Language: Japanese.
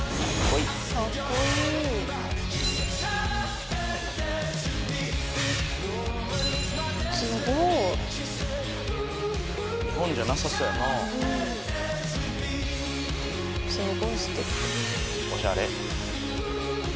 おしゃれ。